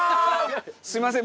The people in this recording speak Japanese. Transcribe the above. すみません。